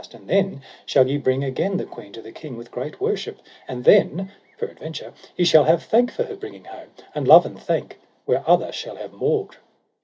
And then shall ye bring again the queen to the king with great worship; and then peradventure ye shall have thank for her bringing home, and love and thank where other shall have maugre.